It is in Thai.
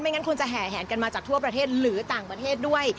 งั้นคุณจะแห่แหนกันมาจากทั่วประเทศหรือต่างประเทศด้วย